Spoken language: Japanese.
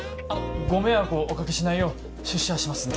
ご迷惑をお掛けしないよう出社はしますので。